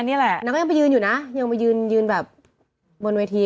นี่แหละนางก็ยังไปยืนอยู่นะยังมายืนยืนแบบบนเวที